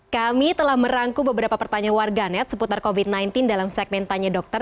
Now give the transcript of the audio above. kami telah merangkum beberapa pertanyaan warganet seputar covid sembilan belas dalam segmen tanya dokter